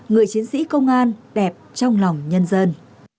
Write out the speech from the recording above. người chiến sĩ công an đẹp trong lòng nhân dân